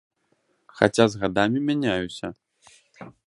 Хаця з гадамі мяняюся.